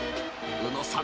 宇野さん］